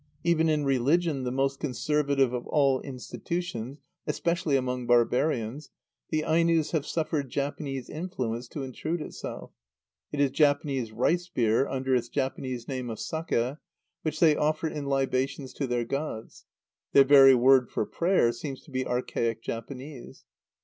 Even in religion, the most conservative of all institutions, especially among barbarians, the Ainos have suffered Japanese influence to intrude itself. It is Japanese rice beer, under its Japanese name of sake, which they offer in libations to their gods. Their very word for "prayer" seems to be archaic Japanese.